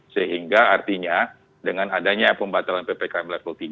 sehingga artinya dengan adanya pembatalan ppkm level tiga